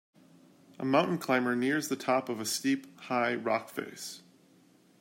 A mountain climber nears the top of a steep, high rock face.